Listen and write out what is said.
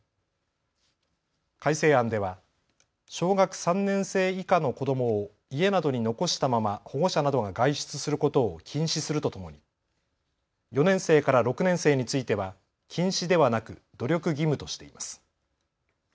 改正案では小学３年生以下の子どもを家などに残したまま保護者などが外出することを禁止するとともに４年生から６年生については禁止ではなく努力義務としています。